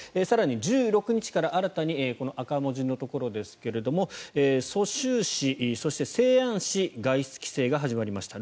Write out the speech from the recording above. そして、１６日から新たにこの赤文字のところですが蘇州市、そして西安市外出規制が始まりました。